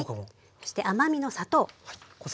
そして甘みの砂糖。